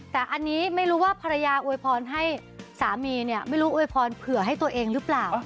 แต่อันนี้ไม่รู้ว่าภรรยาอวยพรให้สามีเนี่ยไม่รู้อวยพรเผื่อให้ตัวเองหรือเปล่า